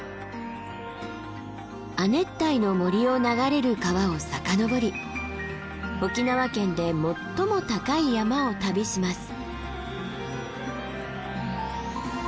亜熱帯の森を流れる川を遡り沖縄県で最も高い山を旅します。